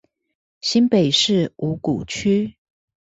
新北市五股區